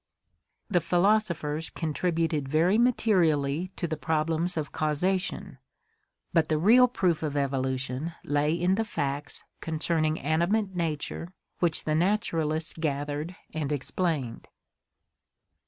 The philosophers contributed very materially to the problems of causation, but the real proof of Evolution lay in the facts concerning animate nature which the naturalists gathered and explained.